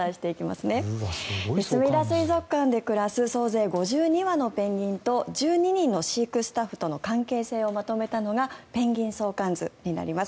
すみだ水族館で暮らす総勢５２羽のペンギンと１２人の飼育スタッフとの関係性をまとめたのがペンギン相関図になります。